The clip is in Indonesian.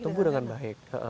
tumbuh dengan baik